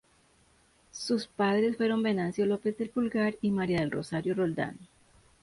Su padres fueron Venancio López del Pulgar y María del Rosario Roldán.